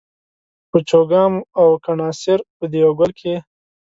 په چوګام او کڼاسېر په دېوه ګل کښي